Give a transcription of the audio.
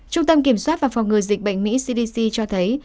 trung tâm kiểm soát và phòng ngừa dịch bệnh mỹ cdc cho thấy